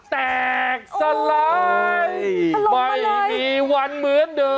แตกสลายไม่มีวันเหมือนเดิม